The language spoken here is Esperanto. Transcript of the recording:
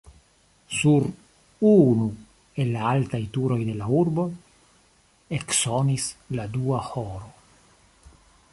Sur unu el la altaj turoj de la urbo eksonis la dua horo.